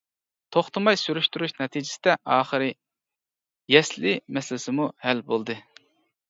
توختىماي سۈرۈشتۈرۈش نەتىجىسىدە ئاخىرى يەسلى مەسىلىسىمۇ ھەل بولدى.